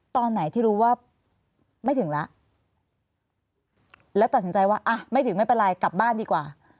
ตอนไหนที่รู้ว่าไม่ถึงแล้วแล้วตัดสินใจว่าอ่ะไม่ถึงไม่เป็นไรกลับบ้านดีกว่า